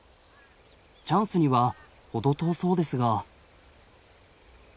チャンスには程遠そうですが。